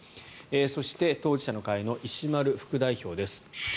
そして、当事者の会の石丸副代表です。